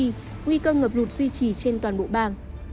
nguy cơ ngập lụt duy trì trên toàn bộ bang